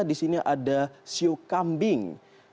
di sini ada siu kambing